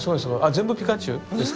全部ピカチュウですか？